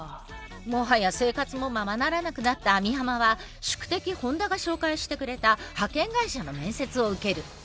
もはや生活もままならなくなった網浜は宿敵本田が紹介してくれた派遣会社の面接を受ける。